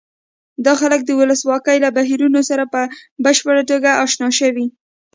دا خلک د ولسواکۍ له بهیرونو سره په بشپړه توګه اشنا شوي.